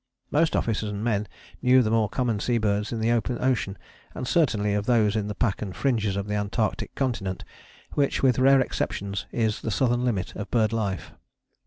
Most officers and men knew the more common sea birds in the open ocean, and certainly of those in the pack and fringes of the Antarctic continent, which, with rare exceptions, is the southern limit of bird life.